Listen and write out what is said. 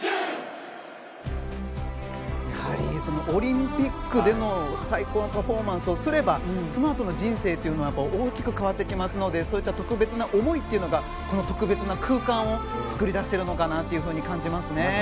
オリンピックでの最高のパフォーマンスをすればそのあとの人生というのは大きく変わってきますのでそういった特別な思いというのが特別な空間を作り出しているのかなと感じますね。